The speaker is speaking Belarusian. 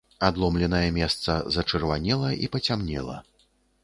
Адломленае месца зачырванела і пацямнела.